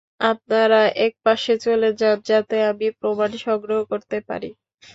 আপনারা একপাশে চলে যান যাতে আমি প্রমাণ সংগ্রহ করতে পারি?